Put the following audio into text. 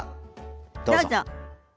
どうぞ。